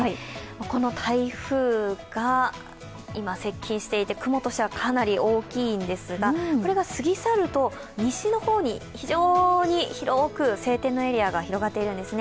この台風が今接近していて、雲としてはかなり大きいんですが、これが過ぎ去ると、西の方に非常に広く晴天のエリアが広がっているんですね。